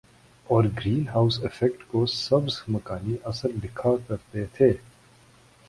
اور greenhouse effect کو سبز مکانی اثر لکھا کرتے تھے